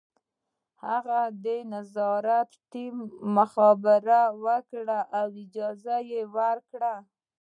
هغه د نظارت ټیم ته مخابره وکړه او اجازه یې ورکړه